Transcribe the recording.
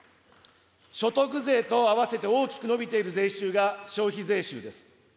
所得税と合わせて大きく伸びている税収が消費税収です。